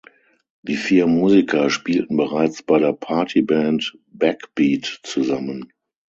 Die vier Musiker spielten bereits bei der Party-Band Backbeat zusammen.